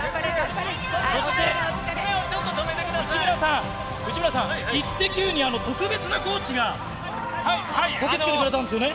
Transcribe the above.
そして、内村さん、イッテＱ！に特別なコーチが駆けつけてくれたんですよね。